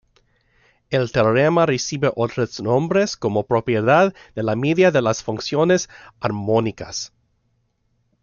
El teorema recibe otros nombres como propiedad de la media de las funciones armónicas.